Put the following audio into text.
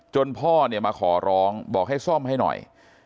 พ่อเนี่ยมาขอร้องบอกให้ซ่อมให้หน่อย